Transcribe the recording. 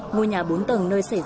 ngôi nhà bốn tầng nơi xảy ra vụ